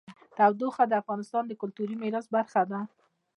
تودوخه د افغانستان د کلتوري میراث برخه ده.